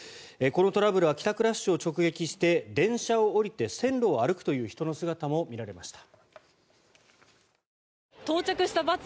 このトラブルは帰宅ラッシュを直撃して電車を降りて線路を歩くという人の姿も見られました。